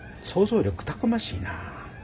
想像力たくましいなあ。